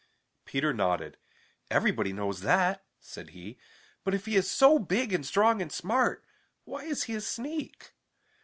Peter nodded. "Everybody knows that," said he. "But if he is so big and strong and smart, why is he a sneak?"